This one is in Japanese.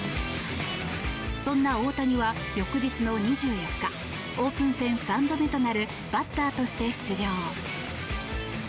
そんな大谷は翌日の２４日オープン戦３度目となるバッターとして出場。